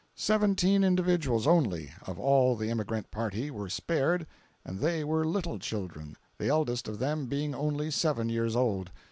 Seventeen individuals only, of all the emigrant party, were spared, and they were little children, the eldest of them being only seven years old.